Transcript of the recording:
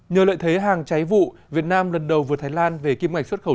nhờ lợi thế hàng cháy vụ việt nam lần đầu vượt thái lan về kim ngạch xuất khẩu